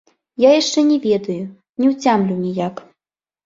Я яшчэ не ведаю, не ўцямлю ніяк.